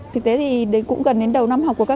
thực tế thì cũng gần đến đầu năm học của các